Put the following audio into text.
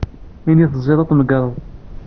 Ayen i tzerɛeḍ ad t-tmegreḍ.